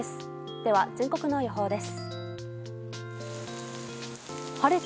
では全国の予報です。